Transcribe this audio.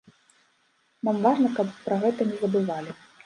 Нам важна, каб пра гэта не забывалі.